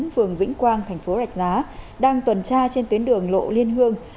phường vĩnh quang tp rạch giá đang tuần tra trên tuyến đường lộ liên hương